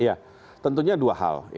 iya tentunya dua hal